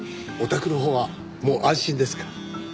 お宅のほうはもう安心ですから。